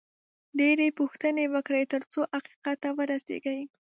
ډېرې پوښتنې وکړئ، ترڅو حقیقت ته ورسېږئ